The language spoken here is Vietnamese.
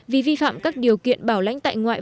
vì vi phạm các điều kiện bảo lãnh tại ngoại